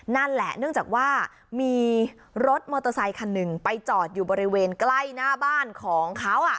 นั่นแหละเนื่องจากว่ามีรถมอเตอร์ไซคันหนึ่งไปจอดอยู่บริเวณใกล้หน้าบ้านของเขา